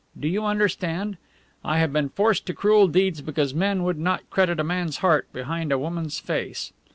Do you understand? I have been forced to cruel deeds because men would not credit a man's heart behind a woman's face.